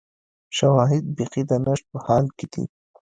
شواهد بیخي د نشت په حال کې دي